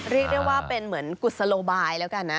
เรียกได้ว่าเป็นเหมือนกุศโลบายแล้วกันนะ